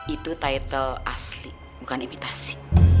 itu title asli bukan ipitasi